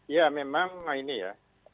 ya memang ini ya